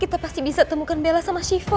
kita pasti bisa temukan bella sama shiva